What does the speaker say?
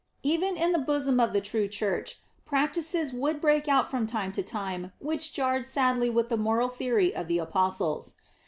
Even in the bosom of the true Church practices would break out from time to time which jarred sadly with the moral theory of the Apostles.